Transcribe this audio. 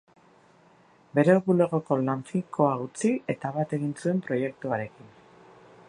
Bere bulegoko lan finkoa utzi eta bat egin zuen proiektuarekin.